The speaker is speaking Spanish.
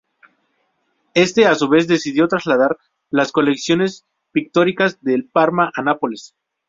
Éste a su vez, decidió trasladar las colecciones pictóricas de Parma a Nápoles.